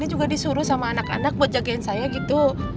saya juga disuruh sama anak anak buat jagain saya gitu